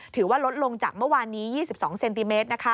ถือว่าลดลงจากเมื่อวานนี้๒๒เซนติเมตร